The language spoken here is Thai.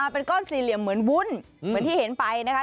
เป็นก้อนสี่เหลี่ยมเหมือนวุ้นเหมือนที่เห็นไปนะคะ